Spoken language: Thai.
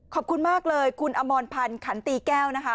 ขอบคุณมากเลยคุณอมรพันธ์ขันตีแก้วนะคะ